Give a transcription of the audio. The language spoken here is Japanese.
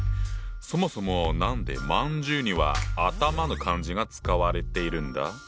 そもそも何で饅頭には「頭」の漢字が使われているんだ？